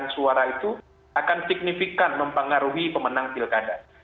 suara itu akan signifikan mempengaruhi pemenang pilkada